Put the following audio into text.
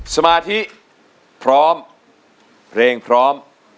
สมาธิพร้อมเพลงพร้อม